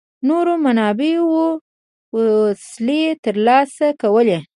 نورو منابعو وسلې ترلاسه کولې.